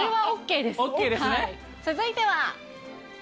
続いては。